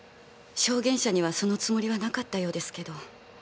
証言者にはそのつもりはなかったようですけど。